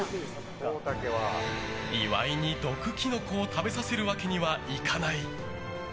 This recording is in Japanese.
岩井に毒キノコを食べさせるわけにはいかない。